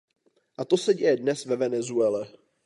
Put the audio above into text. A to se děje dnes ve Venezuele.